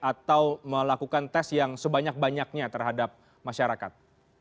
atau melakukan tes yang sebanyak banyaknya terhadap masyarakat